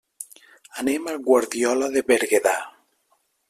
Anem a Guardiola de Berguedà.